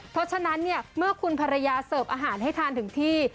เพราะฉะนั้นเนี่ยเมื่อคุณภรรยาเสิร์ฟอาหารให้ทานถึงที่